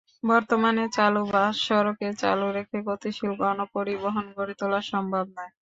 বর্তমানে চালু বাস সড়কে চালু রেখে গতিশীল গণপরিবহন গড়ে তোলা সম্ভব নয়।